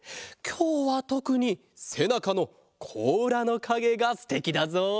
きょうはとくにせなかのこうらのかげがすてきだぞ。